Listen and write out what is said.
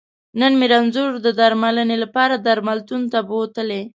نن مې رنځور د درمنلې لپاره درملتون ته بوتلی